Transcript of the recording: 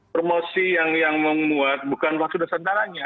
promosi yang memuat bukan waktu dasar antaranya